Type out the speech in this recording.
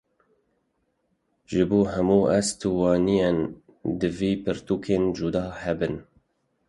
Ji bo hemû ast û waneyan divê pirtûkên cuda hebin.